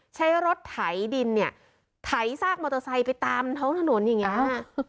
ใช้รถไถดินเนี่ยไถซากมอเตอร์ไซค์ไปตามท้องถนนอย่างนี้